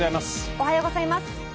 おはようございます。